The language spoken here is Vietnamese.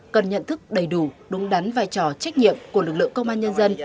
cần nhận thức đầy đủ đúng đắn vai trò trách nhiệm của lực lượng công an nhân dân